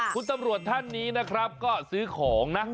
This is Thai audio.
คุณตำรวจท่านนี้นะครับก็ซื้อของนะ